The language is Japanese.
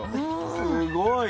すごい！